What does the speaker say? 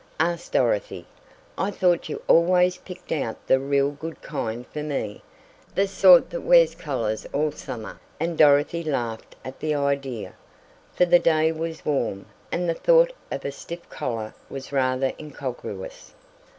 asked Dorothy. "I thought you always picked out the real good kind for me, the sort that wear collars all summer," and Dorothy laughed at the idea, for the day was warm, and the thought of a stiff collar was rather incongruous.